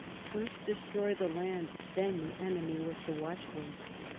"First destroy the land, then the enemy," was the watchword.